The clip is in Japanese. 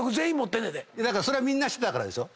それはみんなしてたからでしょ。